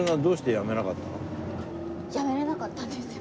やめられなかったんですよ。